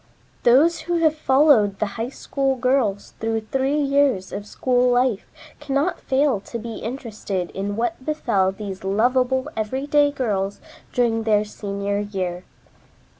Those who have followed the "High School Girls" through three years of school life cannot fail to be interested in what befell these lovable everyday girls during their senior year.